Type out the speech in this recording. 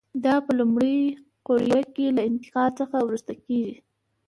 دا په لومړۍ قوریه کې له انتقال څخه وروسته کېږي.